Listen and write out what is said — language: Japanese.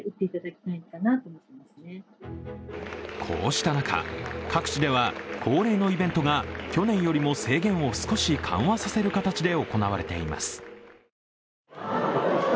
こうした中、各地では恒例のイベントが去年よりも制限を少し緩和させる形で行われています。